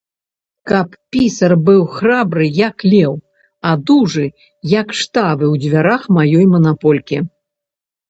Каб пісар быў храбры, як леў, а дужы, як штабы ў дзвярах маёй манаполькі.